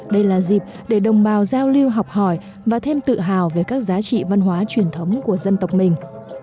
đây là dịp để đồng bào giao lưu học hỏi và thêm tự hào về các giá trị văn hóa truyền thống của dân tộc mình